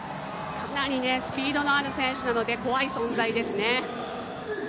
かなりスピードのある選手なので怖い存在ですね。